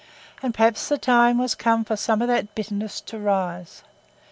And perhaps the time was come for some of that bitterness to rise.